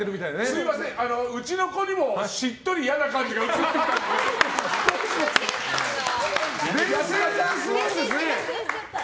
すみません、うちの子にもしっとり嫌な感じが伝染するんですね。